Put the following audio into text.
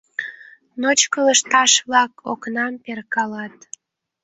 Ночко лышташ-влак окнам перкалат.